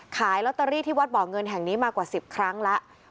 ขายลอตเตอรี่ที่วัดบ่อเงินแห่งนี้มากว่า๑๐ครั้งแล้ว